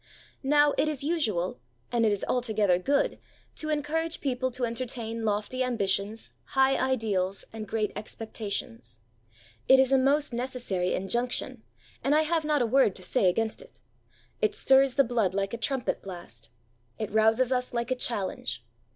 Now it is usual, and it is altogether good, to encourage people to entertain lofty ambitions, high ideals, and great expectations. It is a most necessary injunction, and I have not a word to say against it. It stirs the blood like a trumpet blast. It rouses us like a challenge.